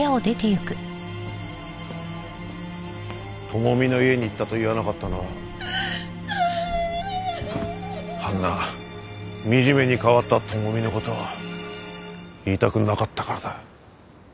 智美の家に行ったと言わなかったのはあんな惨めに変わった智美の事を言いたくなかったからだ。